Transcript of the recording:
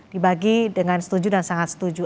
dibagi dengan setuju dan sangat setuju